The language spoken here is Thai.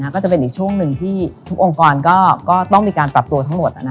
ก็จะเป็นอีกช่วงหนึ่งที่ทุกองค์กรก็ต้องมีการปรับตัวทั้งหมด